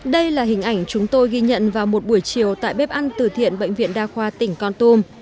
đây là hình ảnh chúng tôi ghi nhận vào một buổi chiều tại bếp ăn từ thiện bệnh viện đa khoa tỉnh con tum